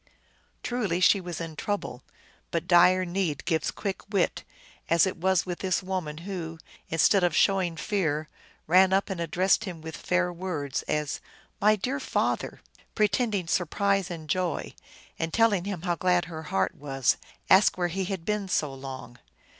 234 THE ALGONQUIN LEGENDS. Truly she was in trouble ; but dire need gives quick wit, as it was with this woman, who, instead of show ing fear, ran up and addressed him with fair words, as "My dear father," pretending surprise and joy, and, telling him how glad her heart was, asked where he had been so long.